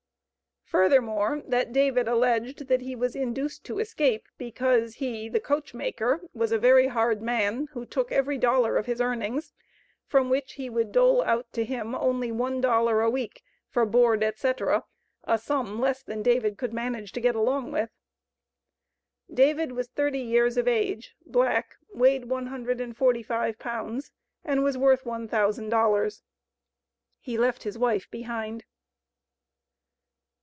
Furthermore, that David alleged that he was induced to escape because he (the coachmaker) was a very hard man, who took every dollar of his earnings, from which he would dole out to him only one dollar a week for board, etc., a sum less than David could manage to get along with. David was thirty years of age, black, weighed one hundred and forty five pounds, and was worth one thousand dollars. He left his wife behind.